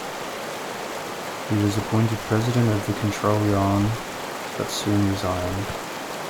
He was appointed president of the Control Yuan, but soon resigned.